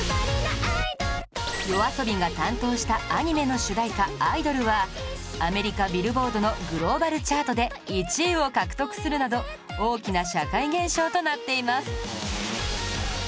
ＹＯＡＳＯＢＩ が担当したアニメの主題歌『アイドル』はアメリカビルボードのグローバル・チャートで１位を獲得するなど大きな社会現象となっています